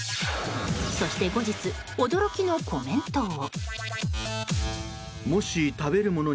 そして後日驚きのコメントを。